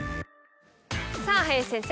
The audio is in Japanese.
さぁ林先生